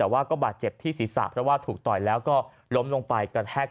แต่ว่าก็บาดเจ็บที่ศีรษะเพราะว่าถูกต่อยแล้วก็ล้มลงไปกระแทก